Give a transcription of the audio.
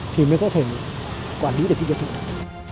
thì mới có thể quản lý được cái biệt thự này